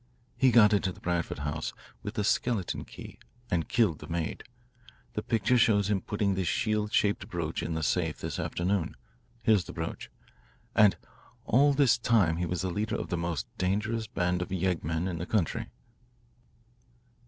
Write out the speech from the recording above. He got into the Branford house with a skeleton key, and killed the maid. The picture shows him putting this shield shaped brooch in the safe this afternoon here's the brooch. And all this time he was the leader of the most dangerous band of yeggmen in the country."